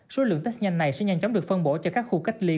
số lượng test nhanh này sẽ nhanh chóng được phân bổ cho các khu cách ly